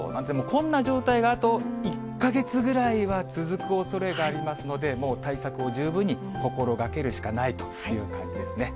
こんな状態があと１か月ぐらいは続くおそれがありますので、もう対策を十分に心がけるしかないという感じですね。